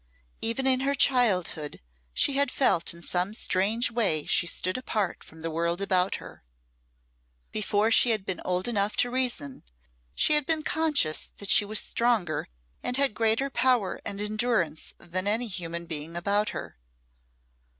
Even in her childhood she had felt in some strange way she stood apart from the world about her. Before she had been old enough to reason she had been conscious that she was stronger and had greater power and endurance than any human being about her.